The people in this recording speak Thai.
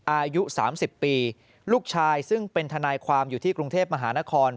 อายุ๓๐ปีลูกชายซึ่งเป็นทนายความอยู่ที่กรุงเทพมหานคร